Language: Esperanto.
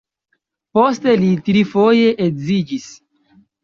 Poste li trifoje edziĝis.